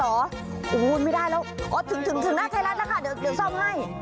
โอ้โหไม่ได้แล้วอ๋อถึงถึงถึงน่าใช้แล้วนะคะเดี๋ยวเดี๋ยวซ่อมให้